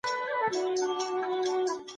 ما هغه ماشوم په بېړې بېداوه.